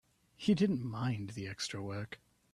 He didn't mind the extra work.